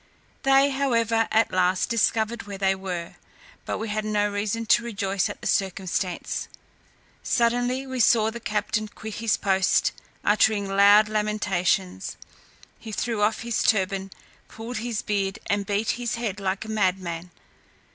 They however at last discovered where they were, but we had no reason to rejoice at the circumstance. Suddenly we saw the captain quit his post, uttering loud lamentations. He threw off his turban, pulled his beard, and beat his head like a madman.